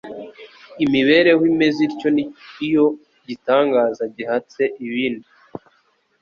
Imibereho imeze ityo ni yo gitangaza gihatse ibindi.